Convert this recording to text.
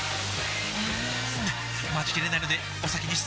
うーん待ちきれないのでお先に失礼！